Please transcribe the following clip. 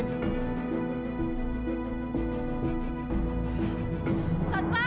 ini enggak mungkin